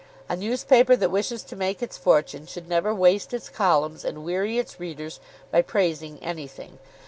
A newspaper that wishes to make its fortune should never waste its columns and weary its readers by praising anything.